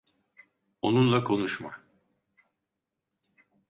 Onunla konuşma.